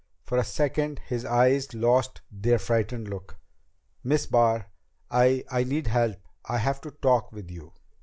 For a second his eyes lost their frightened look. "Miss Barr I I need help. I have to talk with you."